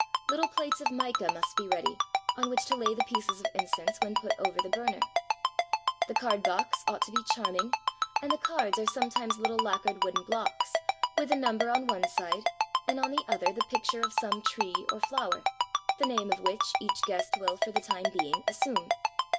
Little plates of mica must be ready, on which to lay the pieces of incense when put over the burner. The card box ought to be charming, and the cards are sometimes little lacquered wooden blocks, with a number on one side and on the other the picture of some tree or flower — the name of which each guest will, for the time being, assume.